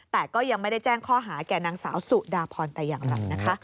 แต่ก็ยังไม่ได้แจ้งข้อหาแก่นางสาวสุดาพรแต่อย่างไรนะคะ